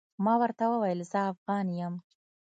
ما ورته وويل زه افغان يم.